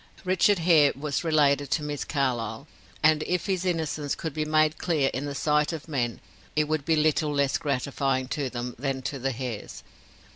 Richard Hare was related to Miss Carlyle, and if his innocence could be made clear in the sight of men, it would be little less gratifying to them than to the Hares.